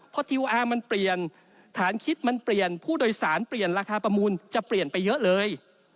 พอทิวอาร์มันเปลี่ยนฐานคิดมันเปลี่ยนผู้โดยสารเปลี่ยนราคาประมูลจะเปลี่ยนไปเยอะเลย